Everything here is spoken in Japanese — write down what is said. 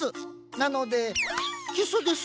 なのでキスです！